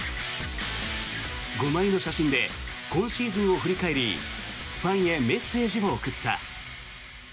５枚の写真で今シーズンを振り返りファンへメッセージを送った。